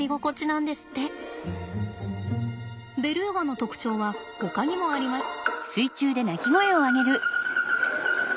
ベルーガの特徴はほかにもあります。